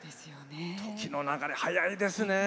時の流れ早いですね。